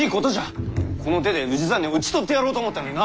この手で氏真を討ち取ってやろうと思ったのにな！